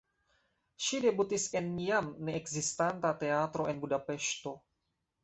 Ŝi debutis en jam ne ekzistanta teatro en Budapeŝto.